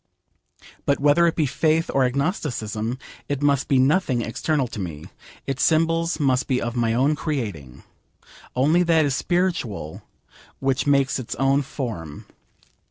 But whether it be faith or agnosticism, it must be nothing external to me. Its symbols must be of my own creating. Only that is spiritual which makes its own form.